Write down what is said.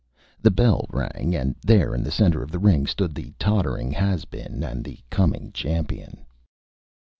The Bell rang, and there in the Center of the Ring stood the Tottering Has Been and the Coming Champion.